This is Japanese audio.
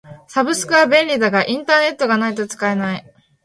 サブスクは便利だがインターネットがないと使えない。